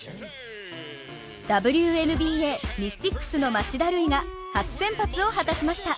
ミスティックスの町田瑠唯が初先発を果たしました